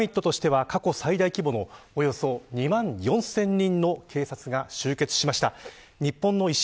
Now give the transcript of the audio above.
サミットとしては過去最大規模のおよそ２万４０００人の警察が集結しました。